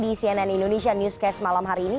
di cnn indonesia newscast malam hari ini